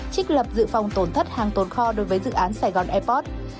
trích lập dự phòng tổn thất hàng tồn kho đối với dự án sài gòn airpot